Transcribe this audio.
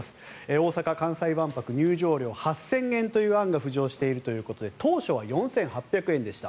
大阪・関西万博入場料８０００円という案が浮上しているということで当初は４８００円でした。